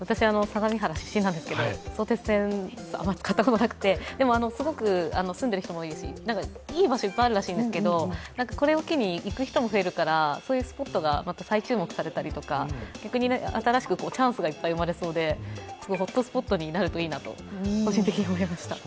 相模原出身なんですけど相鉄線、あまり使ったことがなくてでも、すごく住んでいる人もいいし良い場所いっぱいあるらしいんですけど、これを機に行く人も増えるからそういうスポットが再注目されたりとか、逆に新しくチャンスがいっぱい生まれそうで、ホットスポットになるといいなと、個人的に思いました。